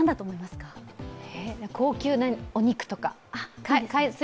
高級お肉とか？